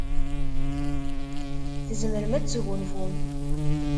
Tzemrem ad tesgunfum.